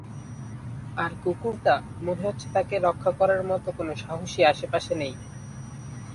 আর কুকুরটা, মনে হচ্ছে তাকে রক্ষা করার মতো কোনো সাহসী আশেপাশে নেই।